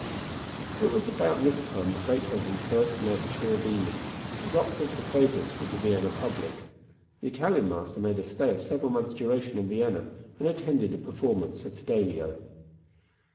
It was about this time that Beethoven first met Cherubini, whose operas were favorites with the Vienna public. The Italian master made a stay of several months' duration in Vienna, and attended a performance of Fidelio.